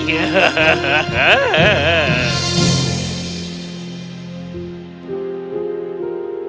kau pria jahat